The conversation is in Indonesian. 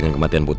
putri masih hidup